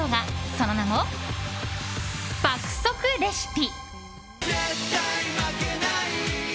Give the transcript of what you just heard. その名も「爆速レシピ」。